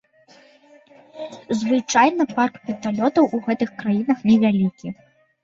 Звычайна парк верталётаў у гэтых краінах невялікі.